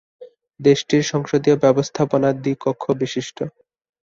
দেশটির সংসদীয় ব্যবস্থাপনা দ্বি-কক্ষবিশিষ্ট।